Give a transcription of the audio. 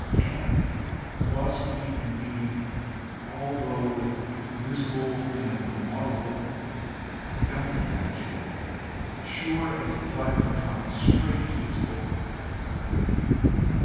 and was he indeed, although invisible and inaudible, guiding that chariot, sure as the flight of a comet, straight to its goal?